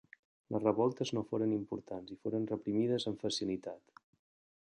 Les revoltes no foren importants i foren reprimides amb facilitat.